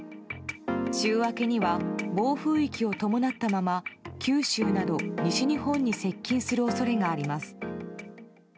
週明けには暴風域を伴ったまま九州など西日本に接近する恐れがあります。